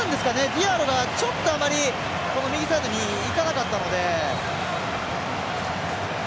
ディアロがあまり右サイドにいかなかったので。